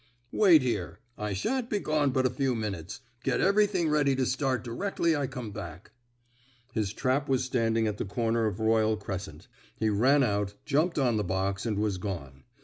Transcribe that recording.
"Wait here; I sha'n't be gone but a few minutes. Get everything ready to start directly I come back." His trap was standing at the corner of Royal Crescent. He ran out, jumped on the box, and was gone.